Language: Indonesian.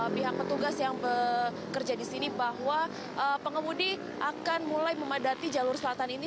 pihak petugas yang bekerja di sini bahwa pengemudi akan mulai memadati jalur selatan ini